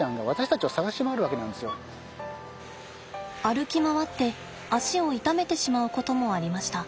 歩き回って肢を傷めてしまうこともありました。